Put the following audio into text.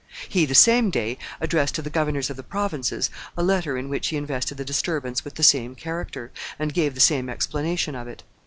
He, the same day, addressed to the governors of the provinces a letter in which he invested the disturbance with the same character, and gave the same explanation of it.